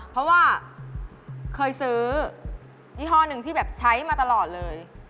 เพราะว่าเคยซื้อยี่ห้อหนึ่งที่แบบใช้มาตลอดเลย